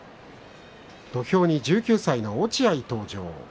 土俵に１９歳の落合が登場。